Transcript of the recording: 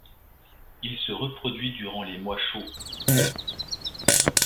Il se reproduit durant les mois chauds.